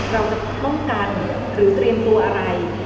เราจะป้องกันหรือเตรียมตัวอะไร